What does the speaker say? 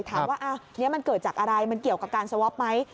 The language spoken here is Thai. ถามว่านี้มันเกิดจากอะไรมันเกี่ยวกับการสวอปไหม